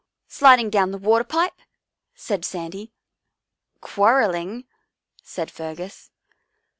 Sliding down the water pipe," said Sandy. " Quarrelling," said Fergus.